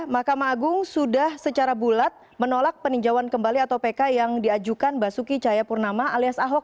mahkamah agung sudah secara bulat menolak peninjauan kembali atau pk yang diajukan basuki cahayapurnama alias ahok